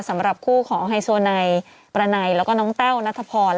สำหรับคู่ของไฮโซไนประไนแล้วก็น้องแต้วนัทพร